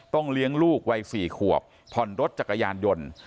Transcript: เลี้ยงลูกวัย๔ขวบผ่อนรถจักรยานยนต์